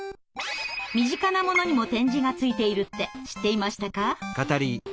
身近なものにも点字がついているって知っていましたか？